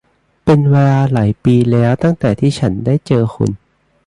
เป็นเวลาหลายปีแล้วตั้งแต่ที่ฉันได้เจอคุณ !